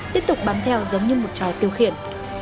tiếp tục bám theo giống như một trò tiêu khiển